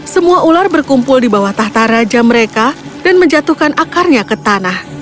semua ular berkumpul di bawah tahta raja mereka dan menjatuhkan akarnya ke tanah